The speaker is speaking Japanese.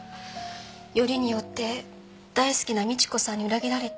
よりによって大好きな美知子さんに裏切られて。